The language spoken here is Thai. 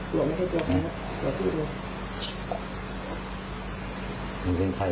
หนูไม่ใช่ตัวเขาแล้วหนูเป็นใครล่ะ